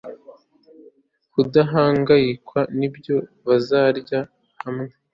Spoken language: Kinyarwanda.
kudahangayikwa nibyo bazarya hamwe